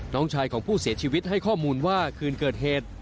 น้องชายของผู้เสียชีวิตให้ข้อมูลว่าคืนเกิดเหตุ